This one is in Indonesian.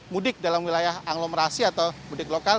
mudik dalam wilayah anglomerasi atau mudik lokal